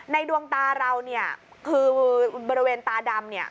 ในดวงตาเราคือบริเวณตาดำ